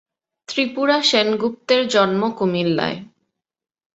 ত্রিপুরা সেনগুপ্তের জন্ম কুমিল্লায়।